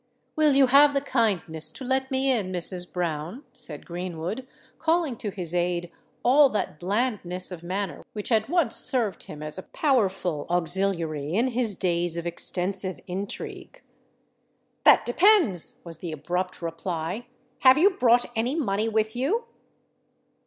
"Will you have the kindness to let me in, Mrs. Brown?" said Greenwood, calling to his aid all that blandness of manner which had once served him us a powerful auxiliary in his days of extensive intrigue. "That depends," was the abrupt reply. "Have you brought any money with you?"